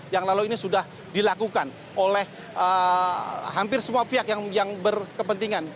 yang lalu ini sudah dilakukan oleh hampir semua pihak yang berkepentingan